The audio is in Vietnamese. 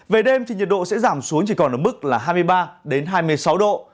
về đêm thì nhiệt độ sẽ giảm xuống chỉ còn ở mức là hai mươi ba hai mươi sáu độ